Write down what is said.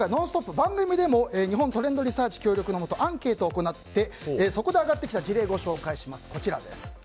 番組でも日本トレンドリサーチ協力のもとアンケートを行ってそこで上がってきた事例ご紹介します。